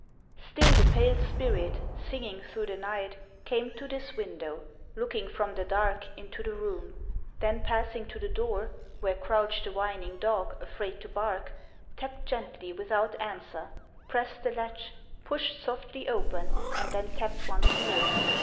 Still the pale spirit, singing through the night, Came to this window, looking from the dark Into the room : then passing to the door Where crouched the whining dog, afraid to bark. Tapped gently without answer, pressed the latch, Pushed softly open, and then tapped once more.